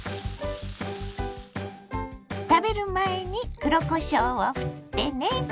食べる前に黒こしょうをふってね。